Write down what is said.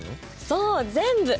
そう全部。